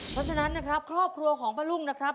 เพราะฉะนั้นนะครับครอบครัวของป้ารุ่งนะครับ